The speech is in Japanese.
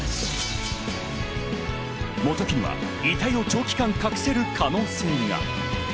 本木には遺体を長期間、隠せる可能性が？